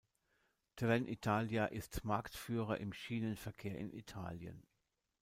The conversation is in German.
Trenitalia ist Marktführer im Schienenverkehr in Italien.